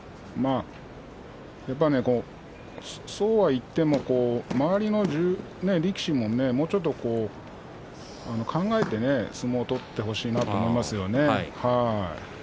やっぱり、そうはいっても周りの力士ももうちょっと考えて相撲を取ってほしいなと思いますね。